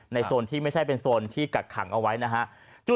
โซนที่ไม่ใช่เป็นโซนที่กักขังเอาไว้นะฮะ